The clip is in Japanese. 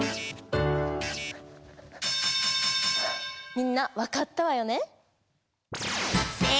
みんなわかったわよね？